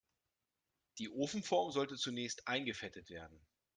Die Ofenform sollte zunächst eingefettet werden.